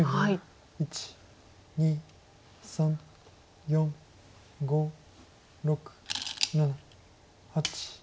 １２３４５６７８。